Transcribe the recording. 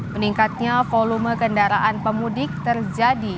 meningkatnya volume kendaraan pemudik terjadi